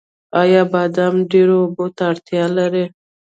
آیا بادام ډیرو اوبو ته اړتیا لري؟